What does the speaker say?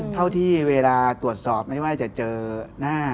เท่าที่เวลาตรวจสอบไม่ว่าจะเจอหน้า